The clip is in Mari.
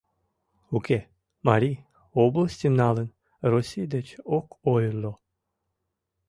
Уке, марий, областьым налын, Россий деч ок ойырло.